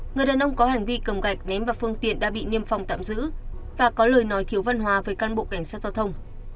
người đàn ông có hành vi cầm gạch ném vào phương tiện đã bị niêm phòng tạm giữ và có lời nói thiếu văn hóa với cán bộ cảnh sát giao thông